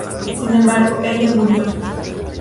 Sin embargo, ella murió.